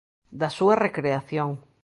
Da súa recreación.